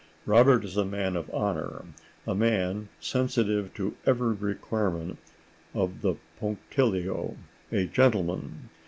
Robert is a man of honor, a man sensitive to every requirement of the punctilio, a gentleman.